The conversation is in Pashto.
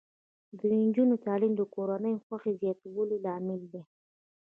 د نجونو تعلیم د کورنۍ خوښۍ زیاتولو لامل دی.